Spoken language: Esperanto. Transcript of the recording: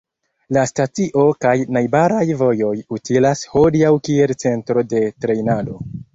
La stacio kaj najbaraj vojoj utilas hodiaŭ kiel centro de trejnado.